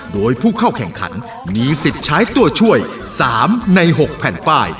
โดยผู้เข้าแข่งขันมีสิทธิ์ใช้ตัวช่วย๓ใน๖แผ่นป้าย